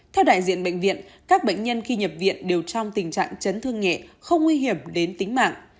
theo đại diện bệnh viện các bệnh nhân khi nhập viện đều trong tình trạng chấn thương nhẹ không nguy hiểm đến tính mạng